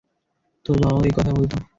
তোর বাবাও একই কথা বলতো।